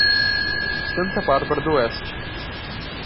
Santa Bárbara D´oeste